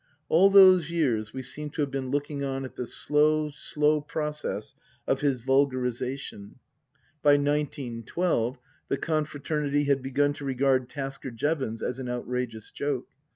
All those years we seem to have been looking on at the slow, slow process of his vulgarization. By nineteen twelve the confraternity had begun to regard Tasker Jevons as an outrageous joke.